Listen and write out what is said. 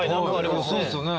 そうですよね。